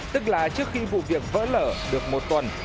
tức là trước khi vụ việc vỡ lở được một tuần